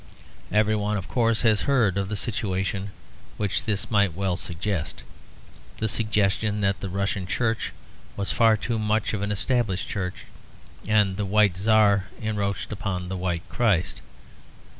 Every one has heard, of course, of the situation which this might well suggest, the suggestion that the Russian Church was far too much of an Established Church and the White Czar encroached upon the White Christ.